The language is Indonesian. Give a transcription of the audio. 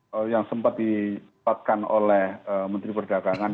goreng ini yang sempat dikatakan oleh menteri perdagangan